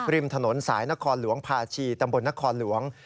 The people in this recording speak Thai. ริมถนนสายนครหลวงภาชีตำบลนครหลวง